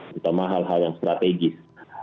terutama hal hal yang strategis